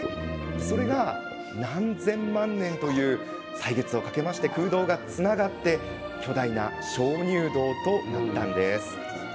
それが何千万年という歳月をかけ空洞がつながって巨大な鍾乳洞となったんです。